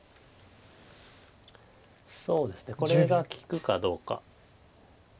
そうですねこれが利くかどうか。